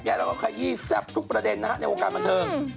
แล้วก็ขยี้แซ่บทุกประเด็นนะฮะในวงการบันเทิง